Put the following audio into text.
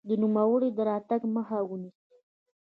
د نوموړي د راتګ مخه ونیسي.